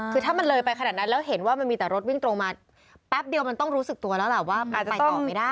คือถ้ามันเลยไปขนาดนั้นแล้วเห็นว่ามันมีแต่รถวิ่งตรงมาแป๊บเดียวมันต้องรู้สึกตัวแล้วล่ะว่ามันไปต่อไม่ได้